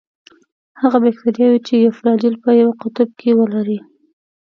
هغه باکتریاوې چې یو فلاجیل په یوه قطب کې ولري.